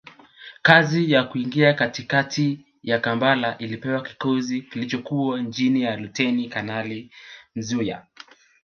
Kazi ya kuingia katikati ya Kampala ilipewa kikosi kilichokuwa chini ya Luteni Kanali Msuya